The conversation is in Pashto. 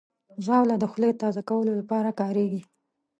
ژاوله د خولې تازه کولو لپاره کارېږي.